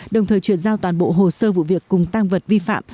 đồng thời chuyển giao toàn bộ hồ sơ vụ việc cùng tăng vật vi phạm